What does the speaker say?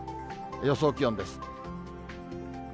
予想気温です。